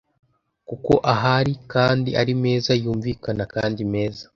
kuko ahari kandi ari meza yumvikana kandi meza